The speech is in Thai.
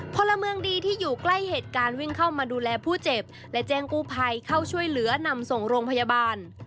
พลเมืองดีที่อยู่ใกล้เหตุการณ์วิ่งเข้ามาดูแลผู้เจ็บและแจ้งกู้ภัยเข้าช่วยเหลือนำส่งโรงพยาบาล